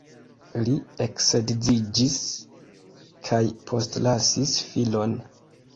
Li eksedziĝis kaj postlasis filon.